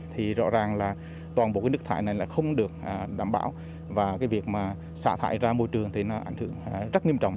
thì rõ ràng là toàn bộ cái nước thải này là không được đảm bảo và cái việc mà xả thải ra môi trường thì nó ảnh hưởng rất nghiêm trọng